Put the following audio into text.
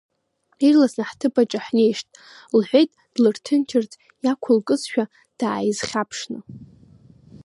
Ирласны ҳҭыԥаҿ ҳнеишт, — лҳәеит, длырҭынчырц иақәылкызшәа, дааизхьаԥшны.